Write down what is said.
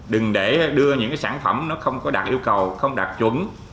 đừng để đưa những cái sản phẩm nó không có đạt yêu cầu không đạt chuẩn